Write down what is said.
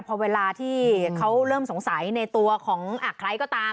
พอเวลาที่เขาเริ่มสงสัยในตัวของใครก็ตาม